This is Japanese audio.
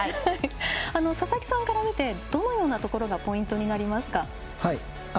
佐々木さんから見てどのようなところがポイントになりますか？